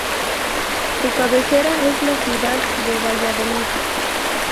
Su cabecera es la ciudad de Valladolid.